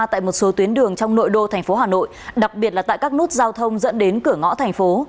tại một số tuyến đường trong nội đô thành phố hà nội đặc biệt là tại các nút giao thông dẫn đến cửa ngõ thành phố